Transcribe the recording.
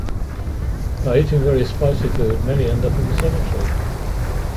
By eating very spicy food, many end up in the cemetery.